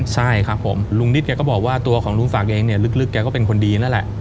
ใช่ครับผมลุงนิดแกก็บอกว่าตัวของลุงศักดิ์เองเนี่ยลึกแกก็เป็นคนดีนั่นแหละ